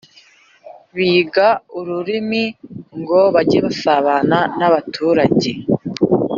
biga ururimi ngo bage basabana n’abaturage